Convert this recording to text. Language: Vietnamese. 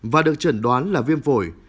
và được trần đoán là viêm phổi